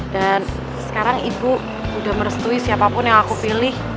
dan sekarang ibu udah merestui siapapun yang aku pilih